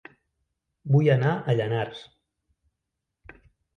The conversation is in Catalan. Vull anar a Llanars